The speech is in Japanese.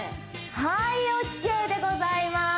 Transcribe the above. はいＯＫでございます